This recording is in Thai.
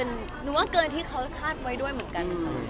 สุดยอดครับหนูว่าเกินที่เขาคาดไว้ด้วยเหมือนกัน